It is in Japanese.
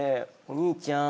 お兄ちゃん